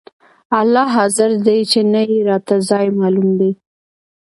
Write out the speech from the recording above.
الله حاضر دى چې نه يې راته ځاى معلوم دى.